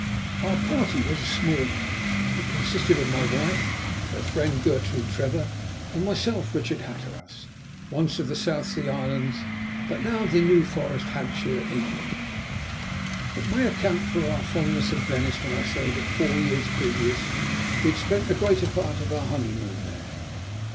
Our party was a small one; it consisted of my wife, her friend, Gertrude Trevor, and myself, Richard Hatteras, once of the South Sea Islands, but now of the New Forest, Hampshire, England. It may account for our fondness of Venice when I say that four years previous we had spent the greater part of our honeymoon there.